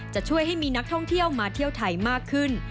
จะช่วยให้มีนักท่องเที่ยวมาเที่ยวไทยมากขึ้น